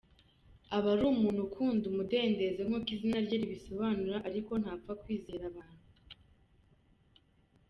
Aba ari umuntu ukunda umudendezo nk’uko izina rye risobanura ariko ntapfa kwizera abantu.